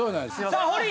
さあホリ！